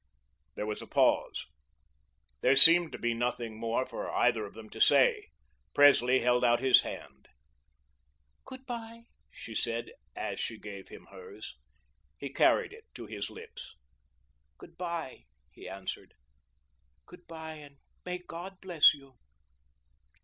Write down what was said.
There was a pause. There seemed to be nothing more for either of them to say. Presley held out his hand. "Good bye," she said, as she gave him hers. He carried it to his lips. "Good bye," he answered. "Good bye and may God bless you."